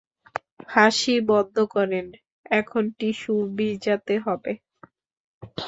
হাসি বন্ধ করেন, এখন টিস্যু ভিজাতে হবে।